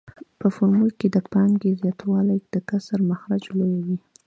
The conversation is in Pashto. په فورمول کې د پانګې زیاتوالی د کسر مخرج لویوي